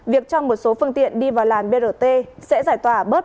việc cho một số phương tiện đi vào làn brt sẽ giải tỏa bớt